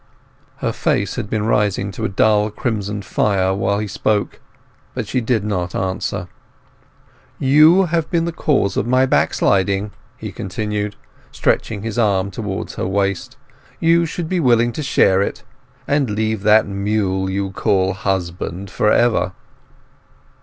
Her face had been rising to a dull crimson fire while he spoke; but she did not answer. "You have been the cause of my backsliding," he continued, stretching his arm towards her waist; "you should be willing to share it, and leave that mule you call husband for ever."